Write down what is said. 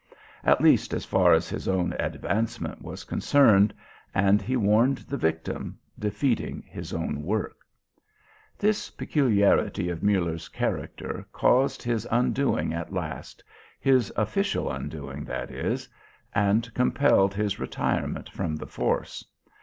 at least as far as his own advancement was concerned, and he warned the victim, defeating his own work. This peculiarity of Muller's character caused his undoing at last, his official undoing that is, and compelled his retirement from the force.